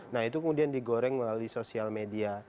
nah itu kemudian digoreng melalui sosial media